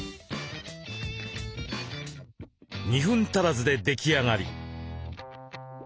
２分足らずで出来上がり。